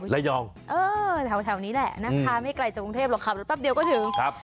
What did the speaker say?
ไลยองแถวนี้แหละนักภาพไม่ไกลจากกรุงเทพหรอกครับแป๊บเดียวก็ถึง